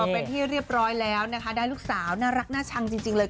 เป็นที่เรียบร้อยแล้วนะคะได้ลูกสาวน่ารักน่าชังจริงเลย